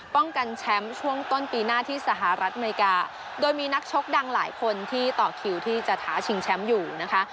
ป้องกันแชมป์ช่วงต้นปีหน้าที่สหรัฐอเมริกาโดยมีนักชกดังหลายคนที่ต่อคิวที่จะท้าชิงแชมป์อยู่นะคะ